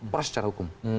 peras secara hukum